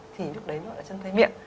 thì lúc đấy nó là chân tay miệng